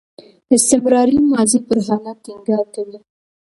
استمراري ماضي پر حالت ټینګار کوي.